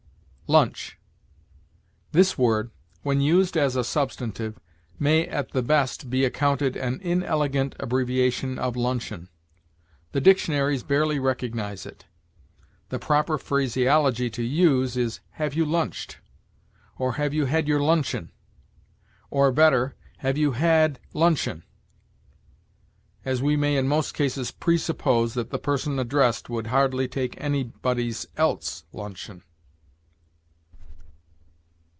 LUNCH. This word, when used as a substantive, may at the best be accounted an inelegant abbreviation of luncheon. The dictionaries barely recognize it. The proper phraseology to use is, "Have you lunched?" or, "Have you had your luncheon?" or, better, "Have you had luncheon?" as we may in most cases presuppose that the person addressed would hardly take anybody's else luncheon.